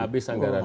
habis anggaran ya